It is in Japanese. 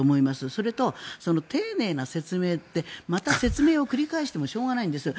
それと、丁寧な説明ってまた説明を繰り返してもしょうがないんです。